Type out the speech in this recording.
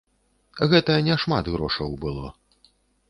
Гэта не шмат грошаў было.